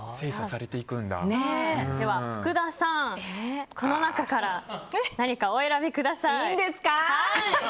では、福田さん、この中から何かお選びください。